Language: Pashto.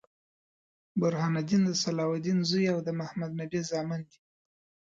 برهان الدين د صلاح الدین زوي او د محمدنبي زامن دي.